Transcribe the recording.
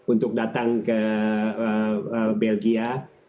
untuk datang ke belgia